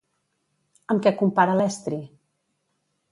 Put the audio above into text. Amb què compara l'estri?